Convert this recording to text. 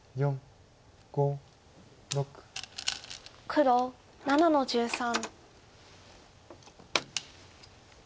黒７の十三。